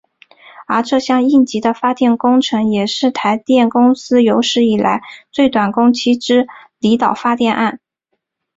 而这项应急的发电工程也是台电公司有史以来最短工期之离岛发电案。